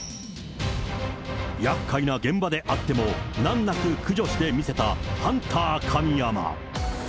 やっかいな現場であっても、難なく駆除して見せたハンター神山。